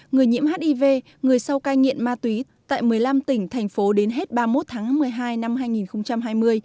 người nhiễm hiv người sau cai nghiện ma túy tại một mươi năm tỉnh thành phố đến hết ba mươi một tháng một mươi hai năm hai nghìn hai mươi